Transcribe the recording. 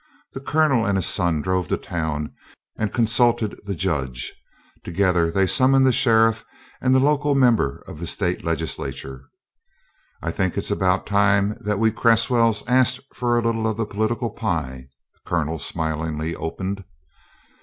The Colonel and his son drove to town and consulted the Judge; together they summoned the sheriff and the local member of the State legislature. "I think it's about time that we Cresswells asked for a little of the political pie," the Colonel smilingly opened.